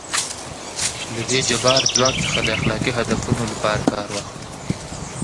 له دې جبار ځواک څخه د اخلاقي هدفونو لپاره کار واخلو.